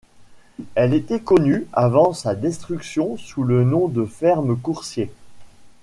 Elle était connue avant sa destruction sous le nom de Ferme Coursier.